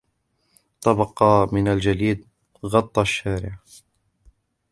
طبقة من الجليد غًطى الشارع.